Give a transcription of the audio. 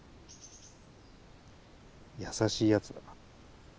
優しいやつだな。